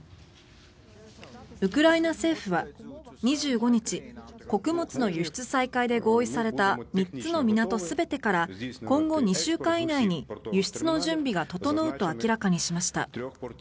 ウクライナ政府は２５日穀物の輸出再開で合意された３つの港全てから今後２週間以内に輸出の準備が整うと明らかにしました。